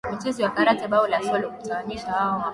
Michezo ya karata Bao la solo huwakutanisha wao pamoja